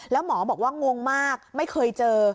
แล้วหมอบอกว่างงมากไม่เคยเจอ